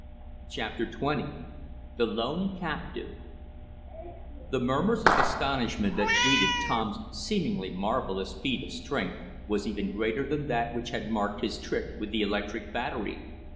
CHAPTER XX THE LONE CAPTIVE The murmurs of astonishment that greeted Tom's seemingly marvelous feat of strength was even greater than that which had marked his trick with the electric battery.